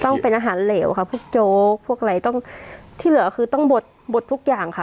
ต้องเป็นอาหารเหลวค่ะพวกโจ๊กพวกอะไรต้องที่เหลือคือต้องบดบดทุกอย่างค่ะ